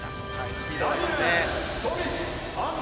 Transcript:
スピードがありますね。